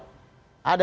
ada gak sakit kemudian